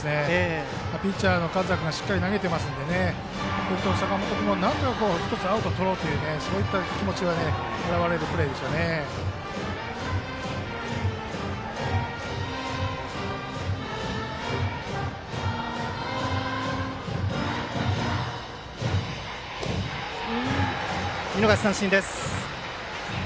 ピッチャーの勝田君がしっかり投げてますので坂元君もなんとか１つアウトをとろうというそういった気持ちが表れる見逃し三振です。